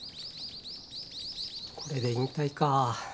これで引退か。